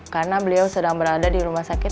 karena beliau sedang berada di rumah sakit